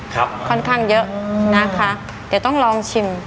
ค่อนข้างเยอะนะคะเดี๋ยวต้องลองชิม